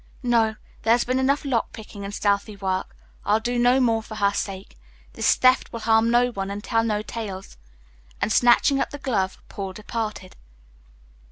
"No, there has been enough lock picking and stealthy work; I'll do no more for her sake. This theft will harm no one and tell no tales." And snatching up the glove, Paul departed.